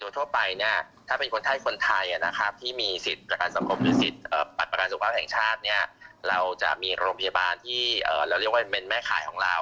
ทั่วไปเนี่ยถ้าเป็นคนไทยคนไทยนะครับที่มีสิทธิ์ประกันสังคมหรือสิทธิ์บัตรประกันสุขภาพแห่งชาติเนี่ยเราจะมีโรงพยาบาลที่เราเรียกว่าเป็นแม่ขายของเรา